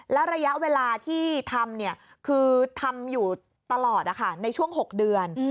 แล้วระยะเวลาที่ทำคือทำอยู่ตลอดในช่วง๖เดือน